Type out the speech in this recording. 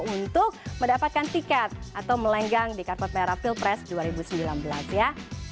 untuk mendapatkan tiket atau melenggang di karpet merah pilpres dua ribu sembilan belas ya